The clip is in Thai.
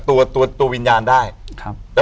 อยู่ที่แม่ศรีวิรัยิลครับ